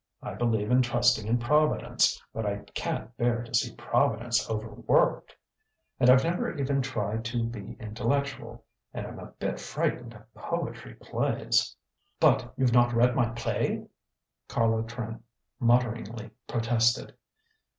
I believe in trusting in Providence, but I can't bear to see Providence overworked. And I've never even tried to be intellectual, and I'm a bit frightened of poetry plays " "But you've not read my play!" Carlo Trent mutteringly protested.